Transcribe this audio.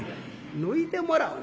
「抜いてもらうな。